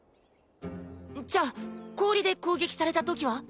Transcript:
じゃあ氷で攻撃されたときは？